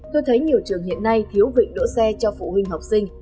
tôi thấy nhiều trường hiện nay thiếu vịnh đỗ xe cho phụ huynh học sinh